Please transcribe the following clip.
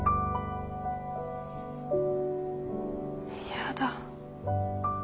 やだ。